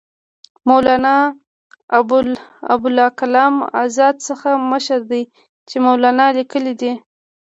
مولنا ابوالکلام آزاد ځکه مشر دی چې مولنا لیکلی دی.